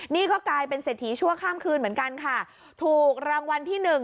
นี่ก็กลายเป็นเศรษฐีชั่วข้ามคืนเหมือนกันค่ะถูกรางวัลที่หนึ่ง